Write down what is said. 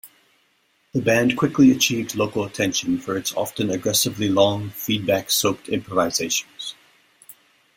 The band quickly achieved local attention for its often aggressively long, feedback-soaked improvisations.